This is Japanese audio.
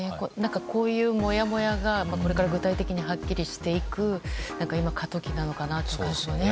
こういうもやもやがこれから具体的にはっきりしていく今、過渡期なのかなという感じがね。